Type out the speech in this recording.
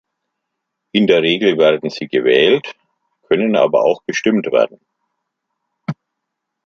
In der Regel werden sie gewählt, können aber auch bestimmt werden.